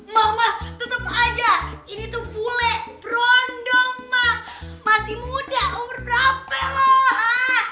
mama tetep aja ini tuh bule berondong emak masih muda umur berapa lo haa